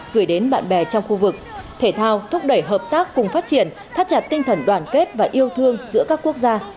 gửi đến bạn bè trong khu vực thể thao thúc đẩy hợp tác cùng phát triển thắt chặt tinh thần đoàn kết và yêu thương giữa các quốc gia